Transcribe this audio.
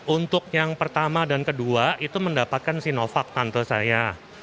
untuk yang pertama dan kedua itu mendapatkan sinovac tante saya